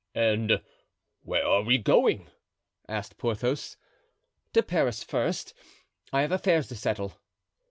"And where are we going?" asked Porthos. "To Paris first; I have affairs to settle."